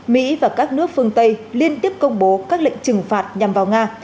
mỹ và các nước phương tây liên tiếp công bố các lệnh trừng phạt nhằm vào nga